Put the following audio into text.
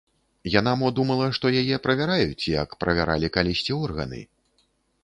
Яна мо думала, што яе правяраюць, як правяралі калісьці органы?